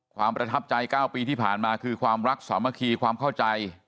ประทับใจ๙ปีที่ผ่านมาคือความรักสามัคคีความเข้าใจ